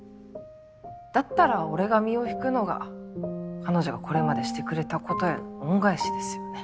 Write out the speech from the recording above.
だったら俺が身を引くのが彼女がこれまでしてくれたことへの恩返しですよね。